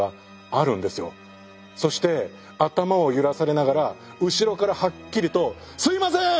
そして頭を揺らされながら後ろからはっきりと「すいません！